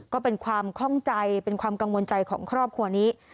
ก็เป็นความคล่องใจเป็นความกังวลใจของครอบครัวนี้